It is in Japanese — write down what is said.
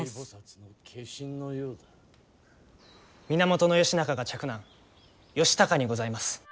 源義仲が嫡男義高にございます。